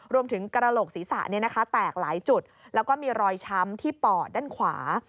รวมถึงกระโหลกศีรษะแตกหลายจุดแล้วก็มีรอยช้ำที่ปอดด้านขวา